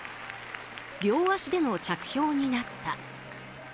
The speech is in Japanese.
両足での着氷になった。